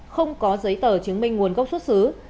không có giấy tờ chứng minh nguồn gốc xuất xứ